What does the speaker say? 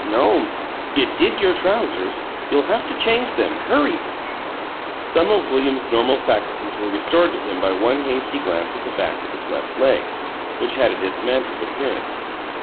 "No'm." "It did your trousers! You'll have to change them. Hurry!" Some of William's normal faculties were restored to him by one hasty glance at the back of his left leg, which had a dismantled appearance.